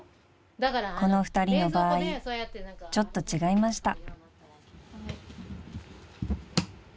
［この２人の場合ちょっと違いました］